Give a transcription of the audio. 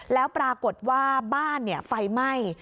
แล้วปรากฏว่าบ้านไฟไหม้